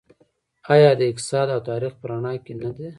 آیا د اقتصاد او تاریخ په رڼا کې نه ده؟